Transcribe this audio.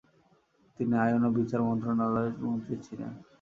তিনি আইন ও বিচার মন্ত্রণালয়ের মন্ত্রী ছিলেন।